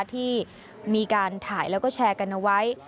ที่มีการถ่ายแล้วก็แชร์กันเอาไว้